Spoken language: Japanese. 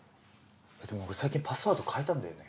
えでも俺最近パスワード変えたんだよね。